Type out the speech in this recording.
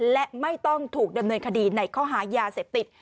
และไม่ต้องถูกดำเนินคดีในข้อหายาเสพติด